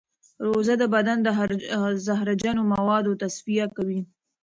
روژه د بدن د زهرجنو موادو تصفیه کوي.